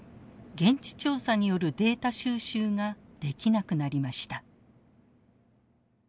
現地調査によるデータ収集ができなくなりました。